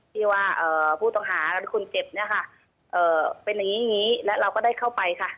ที่ว่าผู้ต่อหาคุณเจ็บเป็นอย่างนี้แล้วเราก็ได้เข้าไปค่ะ